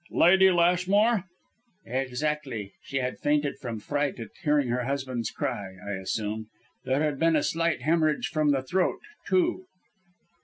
"Lady Lashmore?" "Exactly. She had fainted from fright, at hearing her husband's cry, I assume. There had been a slight hemorrhage from the throat, too."